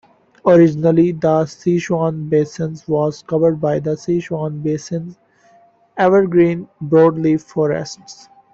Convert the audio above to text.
Originally, the Sichuan Basin was covered by the Sichuan Basin evergreen broadleaf forests.